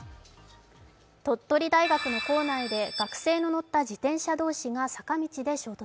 鳥取大学の構内で学生が乗った自転車同士が坂道で衝突。